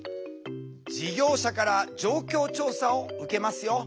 事業者から状況調査を受けますよ。